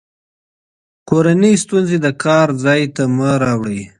کورني ستونزې د کار ځای ته مه راوړئ.